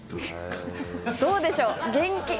どうでしょう、現金。